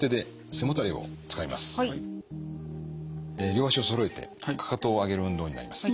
両脚をそろえてかかとを上げる運動になります。